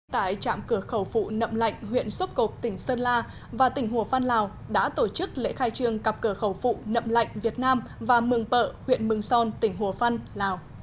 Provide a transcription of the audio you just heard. tại trạm cửa khẩu phụ nậm lạnh huyện xúc cộp tỉnh sơn la và tỉnh hùa phan lào đã tổ chức lễ khai trương cặp cửa khẩu phụ nậm lạnh việt nam và mừng bợ huyện mừng son tỉnh hùa phan lào